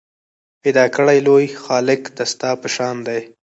پیدا کړی لوی خالق دا ستا په شان دی